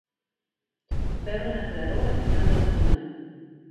Veure la claror al final del túnel.